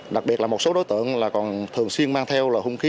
đặc biệt là một số đối tượng là còn thường xuyên mang theo là hung khí